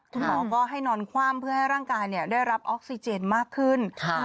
คุณหมอก็ให้นอนคว่ำเพื่อให้ร่างกายได้รับออกซิเจนมากขึ้น